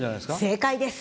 正解です。